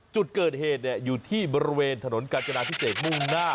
จุดเกิดเหตุอยู่ที่บริเวณถนนกาญจนาพิเศษมุ่งหน้า